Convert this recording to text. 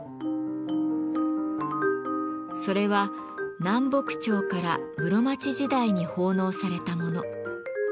それは南北朝から室町時代に奉納されたもの。